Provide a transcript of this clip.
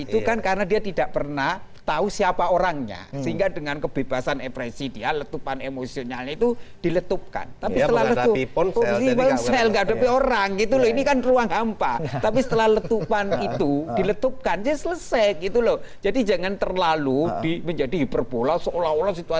tidak gitu loh